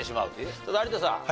ただ有田さん。